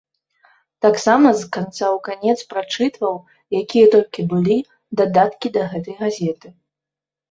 Таксама з канца ў канец прачытваў, якія толькі былі, дадаткі да гэтай газеты.